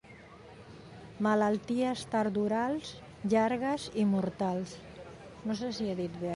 Malalties tardorals, llargues i mortals.